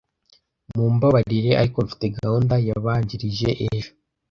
Mumbabarire, ariko mfite gahunda yabanjirije ejo.